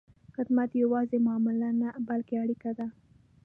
خدمت یوازې معامله نه، بلکې اړیکه ده.